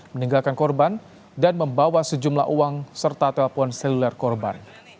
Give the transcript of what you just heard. meninggalkan korban dan membawa sejumlah uang serta telepon seluler korban